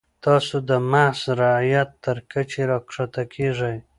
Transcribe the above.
تاسو د محض رعیت تر کچې راښکته کیږئ.